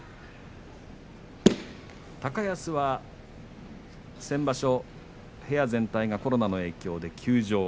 高安は先場所部屋全体がコロナの影響で休場。